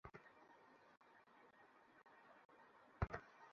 আর এতগুলা রাবার একসাথে পোড়ালে পুরো শহর টের পেয়ে যাবে।